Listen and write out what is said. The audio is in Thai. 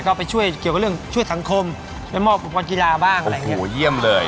ก็ไปช่วยเกี่ยวกับช่วยสังคมบางประโยน์กีฬาบ้างนะครับโอโหเยี่ยมเลย